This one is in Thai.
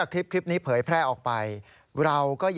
มันเกิดเหตุเป็นเหตุที่บ้านกลัว